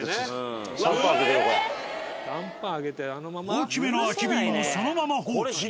大きめの空き瓶もそのまま放置。